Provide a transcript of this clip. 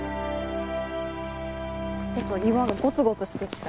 ちょっと岩がゴツゴツしてきた。